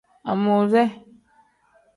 Amuuze.